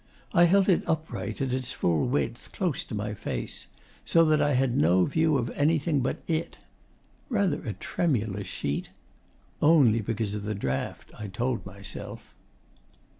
I held it upright, at its full width, close to my face, so that I had no view of anything but it.... Rather a tremulous sheet? Only because of the draught, I told myself.